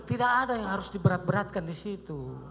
tidak ada yang harus diberat beratkan di situ